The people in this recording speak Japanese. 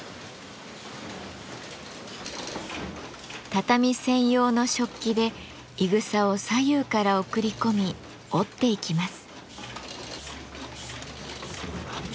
畳専用の織機でいぐさを左右から送り込み織っていきます。